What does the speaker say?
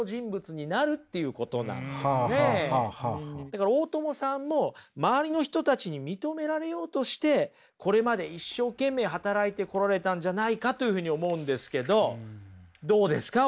だから大友さんも周りの人たちに認められようとしてこれまで一生懸命働いてこられたんじゃないかというふうに思うんですけどどうですか？